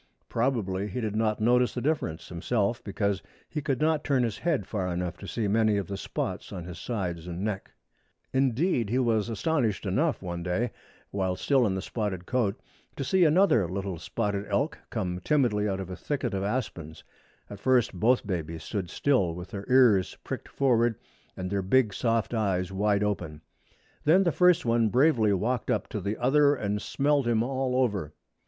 Probably he did not notice the difference himself because he could not turn his head far enough to see many of the spots on his sides and neck. [Illustration: THE ELK. "Grazing over the upland meadows." Page 48.] Indeed he was astonished enough one day, while still in the spotted coat, to see another little spotted elk come timidly out of a thicket of aspens. At first both babies stood still, with their ears pricked forward and their big soft eyes wide open. Then the first one bravely walked up to the other and smelled him all over.